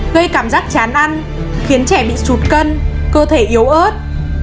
gây cảm giác chán ăn khiến trẻ bị sụt cân cơ thể yếu ớt